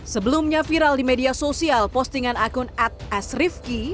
sebelumnya viral di media sosial postingan akun ad asrifki